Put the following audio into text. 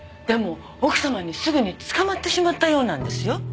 でも奥様にすぐに捕まってしまったようなんですよ。